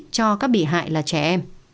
cho các bị hại là trẻ em